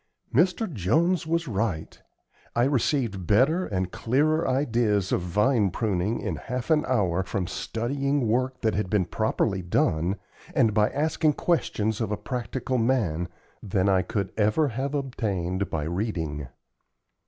Mr. Jones was right. I received better and clearer ideas of vine pruning in half an hour from studying work that had been properly done, and by asking questions of a practical man, than I could ever have obtained by reading.